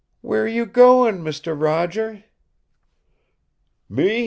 "Where are you goin', Mister Roger?" "Me?